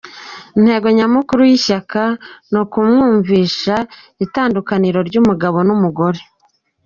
Intego nyamukuru y’ishyaka, ni ukumwumvisha itandukaniro ry’umugabo n’umugore.